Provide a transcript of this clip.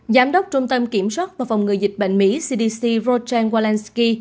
giám đốc trung tâm kiểm soát và phòng ngừa dịch bệnh mỹ cdc roger walensky